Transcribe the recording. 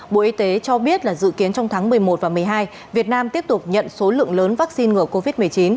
bộ y tế cho biết là dự kiến trong tháng một mươi một và một mươi hai việt nam tiếp tục nhận số lượng lớn vaccine ngừa covid một mươi chín